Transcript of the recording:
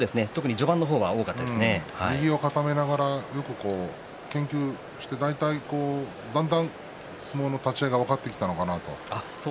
序盤の方は右を研究してだんだん相撲の立ち合いも分かってきたのかなと。